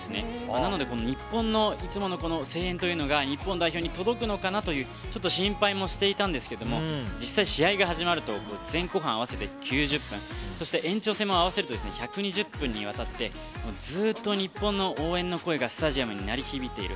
なので日本のいつもの声援というのが日本代表に届くのかなと心配もしていたんですが実際、試合が始まると前後半合わせて９０分そして延長戦も合わせると１２０分にわたってずっと日本の応援の声がスタジアムに鳴り響いている。